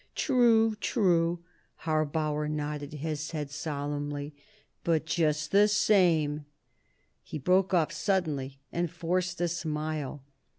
"True. True." Harbauer nodded his head solemnly. "But just the same " He broke off suddenly, and forced a smile.